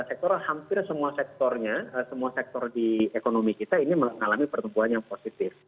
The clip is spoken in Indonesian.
sektor hampir semua sektornya semua sektor di ekonomi kita ini mengalami pertumbuhan yang positif